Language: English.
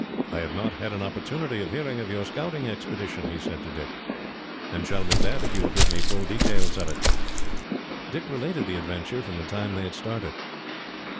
"I have not had an opportunity of hearing of your scouting expedition," he said to Dick, "and shall be glad if you will give me full details of it." Dick related the adventure, from the time they had started.